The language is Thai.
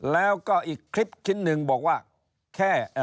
แล้วก็อีกคลิปชิ้นหนึ่งบอก